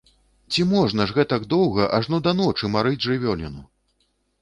Ці можна ж гэтак доўга, ажно да ночы, марыць жывёліну!